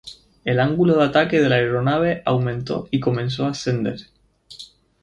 El ángulo de ataque de la aeronave aumentó, y comenzó a ascender.